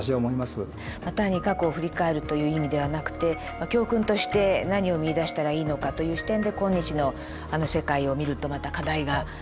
単に過去を振り返るという意味ではなくて教訓として何を見いだしたらいいのかという視点で今日の世界を見るとまた課題が改めて見えてくるということですね。